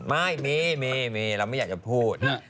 ไม่มีมีเราไม่อยากจะพูด